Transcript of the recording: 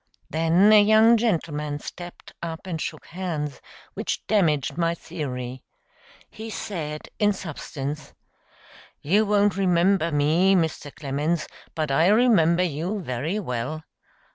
Then a young gentleman stepped up and shook hands, which damaged my theory. He said, in substance: "You won't remember me, Mr. Clemens, but I remember you very well.